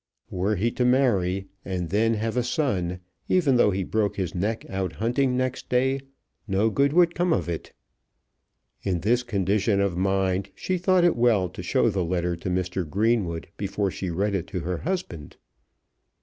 Were he to marry and then have a son, even though he broke his neck out hunting next day, no good would come of it. In this condition of mind she thought it well to show the letter to Mr. Greenwood before she read it to her husband.